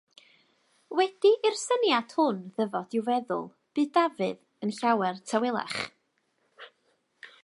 Wedi i'r syniad hwn ddyfod i'w feddwl, bu Dafydd yn llawer tawelach.